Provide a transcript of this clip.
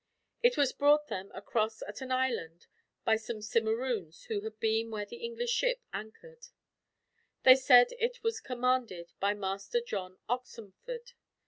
It was brought them across at an island?? by some Simeroons who had been where the English ship anchored. They said that it was commanded by Master John Oxenford.